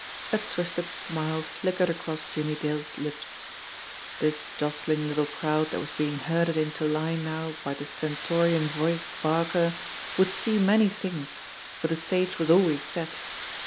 A twisted smile flickered across Jimmie Dale's lips. This jostling little crowd that was being herded into line now by the stentorian voiced barker would see many things, for the stage was always set.